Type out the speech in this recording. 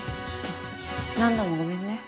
何度もごめんね。